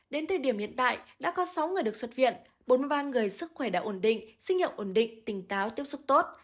đến thời điểm hiện tại đã có sáu người được xuất viện bốn mươi ba người sức khỏe đã ổn định sinh động ổn định tỉnh táo tiếp xúc tốt